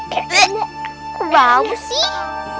kok bau sih